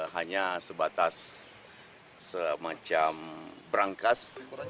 hanya sebatas semacam berangkas